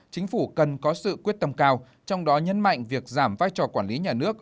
chính phủ cần có sự quyết tâm cao trong đó nhấn mạnh việc giảm vai trò quản lý nhà nước